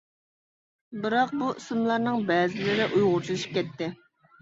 بىراق، بۇ ئىسىملارنىڭ بەزىلىرى ئۇيغۇرچىلىشىپ كەتتى.